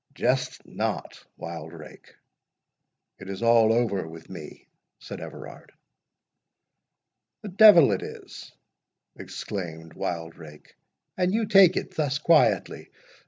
"Jest not, Wildrake—it is all over with me," said Everard. "The devil it is," exclaimed Wildrake, "and you take it thus quietly!